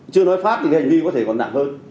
chưa nói pháp thì cái hành vi có thể còn nặng hơn